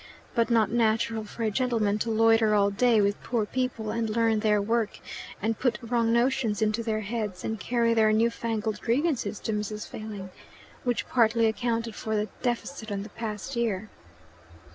But not natural for a gentleman to loiter all day with poor people and learn their work, and put wrong notions into their heads, and carry their newfangled grievances to Mrs. Failing. Which partly accounted for the deficit on the past year."